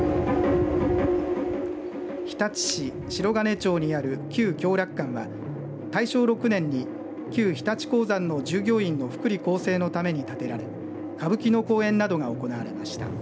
日立市白銀町にある旧共楽館は大正６年に旧日立鉱山の従業員の福利厚生のために建てられ歌舞伎の公演などが行われました。